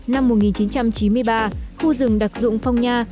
năm một nghìn chín trăm chín mươi ba khu rừng đặc dụng phong nha